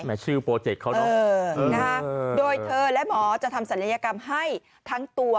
ชื่อโปรเจกต์เขาเนอะโดยเธอและหมอจะทำศัลยกรรมให้ทั้งตัว